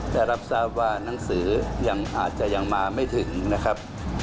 ได้รับทราบว่านังสือยังอาจจะยังมาไม่ถึงนะครับ